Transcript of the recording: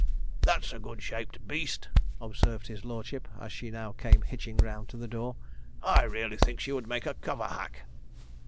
'That's a good shaped beast,' observed his lordship, as she now came hitching round to the door; 'I really think she would make a cover hack.'